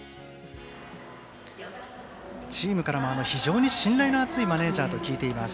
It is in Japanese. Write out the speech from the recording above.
チームからも非常に信頼の厚いマネージャーと聞いています。